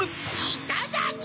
いただき！